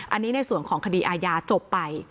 อันนี้ในส่วนของคดีอาญาจบไป